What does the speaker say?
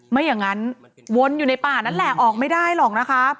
ไม่อย่างนั้นวนอยู่ในป่านั่นแหละออกไม่ได้หรอกนะคะ